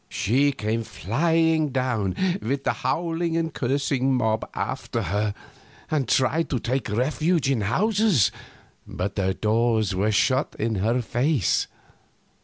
She came flying down, with the howling and cursing mob after her, and tried to take refuge in houses, but the doors were shut in her face.